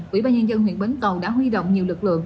ủy ban nhân dân huyện bến cầu đã huy động nhiều lực lượng